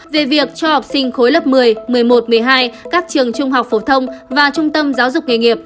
về việc cho học sinh khối lớp một mươi một mươi một một mươi hai các trường trung học phổ thông và trung tâm giáo dục nghề nghiệp